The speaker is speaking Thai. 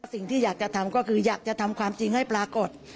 สิ่งที่อยากจะทำก็คืออยากจะทำความจริงให้ปรากฏ